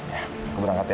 ya aku berangkat ya